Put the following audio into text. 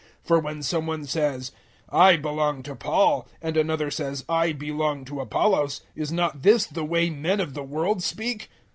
003:004 For when some one says, "I belong to Paul," and another says, "I belong to Apollos," is not this the way men of the world speak?